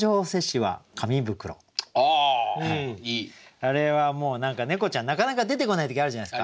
あれはもう何か猫ちゃんなかなか出てこない時あるじゃないですか入っちゃって。